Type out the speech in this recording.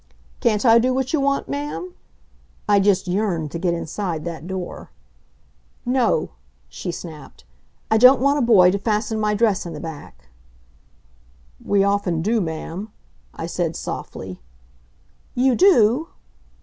"Can't I do what you want, ma'am?" I just yearned to get inside that door. "No," she snapped. "I don't want a boy to fasten my dress in the back " "We often do, ma'am," I said softly. "You do?